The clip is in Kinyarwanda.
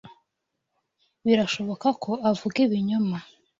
Birashoboka ko avuga ibinyoma.